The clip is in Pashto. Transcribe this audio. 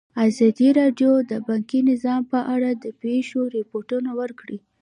ازادي راډیو د بانکي نظام په اړه د پېښو رپوټونه ورکړي.